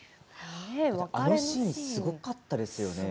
あのシーンすごかったですよね。